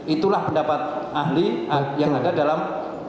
itulah pendapat ahli yang ada dalam acara ya